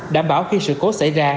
đảm bảo khi sự cố xảy ra